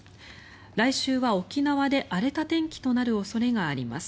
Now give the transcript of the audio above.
来週は沖縄で荒れた天気となる恐れがあります。